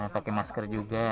pakai masker juga